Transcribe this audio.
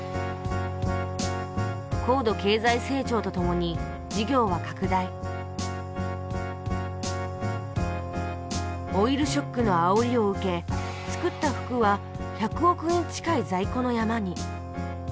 高度経済成長とともに事業は拡大オイルショックのあおりを受け作った服は１００億円近い在庫の山に。